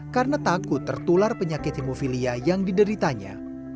karena takut tertular penyakit hemofilia yang dideritanya